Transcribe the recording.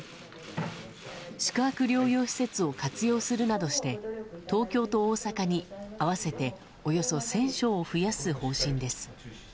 宿泊療養施設を活用するなどして、東京と大阪に合わせておよそ１０００床を増やす方針です。